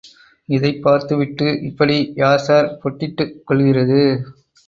இதைப் பார்த்து விட்டு இப்படி யார் சார் பொட்டிட்டுக் கொள்கிறது.